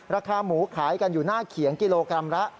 ราคาหมูขายกันอยู่หน้าเขียงกิโลกรัมละ